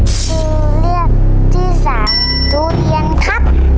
จึงเรียกที่สามโดรียังครับ